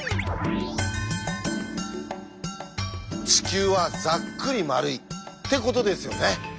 「地球はざっくり丸い」ってことですよね。